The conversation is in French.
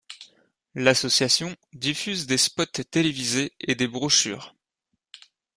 L'association diffuse des spots télévisés et des brochures.